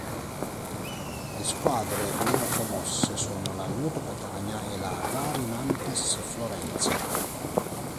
Le squadre neopromosse sono la Nuoto Catania e la Rari Nantes Florentia.